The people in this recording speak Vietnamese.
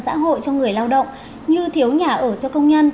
xã hội cho người lao động như thiếu nhà ở cho công nhân